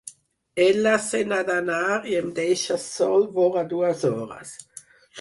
Ella se n’ha d’anar i em deixa sol vora dues hores.